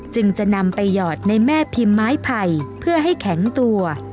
จึงจะนำไปหยอดในแม่พิมพ์ไม้ไผ่เพื่อให้แข็งตัว